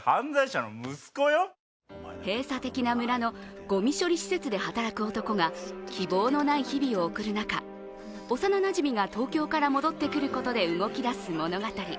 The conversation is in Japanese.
閉鎖的な村のごみ処理施設で働く男が希望のない日々を送る中、幼なじみが東京から戻ってくることで動き出す物語。